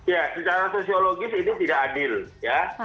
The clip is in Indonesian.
ya secara sosiologis ini tidak adil ya